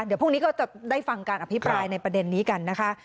เดี๋ยวพรุ่งนี้ก็จะได้ฟังการอภิปรายในประเด็นนี้กันนะคะ